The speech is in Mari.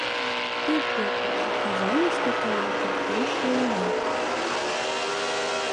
— Ит лӱд, Казаньыште тыйым поктен шуына.